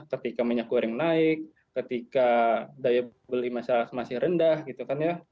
ketika minyak goreng naik ketika daya beli masyarakat masih rendah gitu kan ya